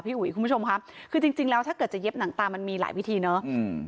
อุ๋ยคุณผู้ชมค่ะคือจริงจริงแล้วถ้าเกิดจะเย็บหนังตามันมีหลายวิธีเนอะอืม